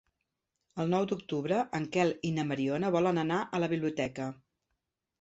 El nou d'octubre en Quel i na Mariona volen anar a la biblioteca.